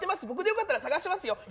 僕でよかったら探しますよ。